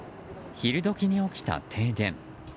昼時に起きた停電。